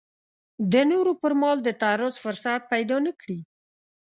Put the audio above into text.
د نورو پر مال د تعرض فرصت پیدا نه کړي.